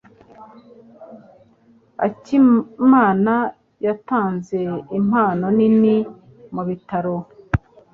Akimana yatanze impano nini mubitaro.